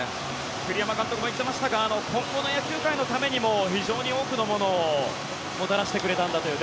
栗山監督も言ってましたが今後の野球界のためにも非常に多くのものをもたらしてくれたんだという。